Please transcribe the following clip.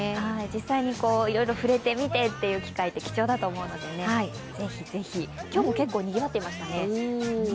実際にいろいろ触れてみてという機会は貴重だと思うのでぜひぜひ、今日も結構にぎわっていましたね。